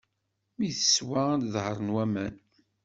Mi teswa, ad d-ḍehṛen waman.